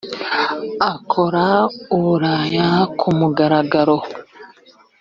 akora uburaya ku mugaragaro